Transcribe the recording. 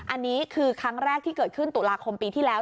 อันนี้คือครั้งแรกที่เกิดขึ้นตุลาคมปีที่แล้ว